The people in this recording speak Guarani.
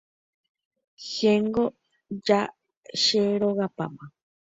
Chéngo ja cherogapáma